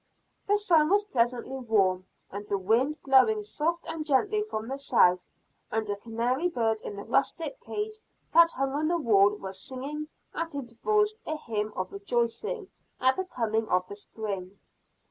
The sun was pleasantly warm, and the wind blowing soft and gently from the south; and a canary bird in the rustic cage that hung on the wall was singing at intervals a hymn of rejoicing at the coming of the spring.